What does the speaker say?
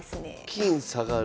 金下がる。